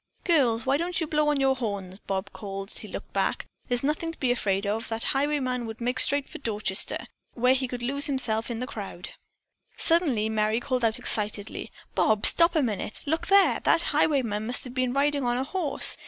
"Girls, why don't you blow on your horns?" Bob called as he looked back. "There's nothing to be afraid of. That highwayman would make straight for Dorchester, where he could lose himself in the crowd." Suddenly Merry called out excitedly: "Bob, stop a minute. Look there. That highwayman must have been riding on a horse.